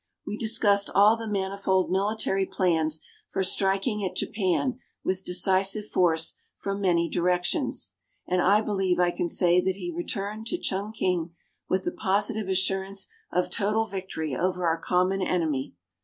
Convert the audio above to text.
We discussed all the manifold military plans for striking at Japan with decisive force from many directions, and I believe I can say that he returned to Chungking with the positive assurance of total victory over our common enemy.